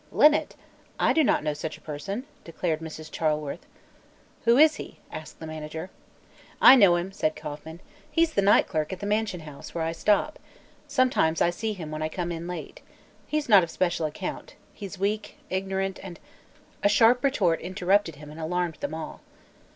"Linnet? I do not know such a person," declared Mrs. Charleworth. "Who is he?" asked the manager. "I know him," said Kauffman. "He's the night clerk at the Mansion House where I stop. Sometimes I see him when I come in late. He's not of special account; he's weak, ignorant, and " A sharp report interrupted him and alarmed them all.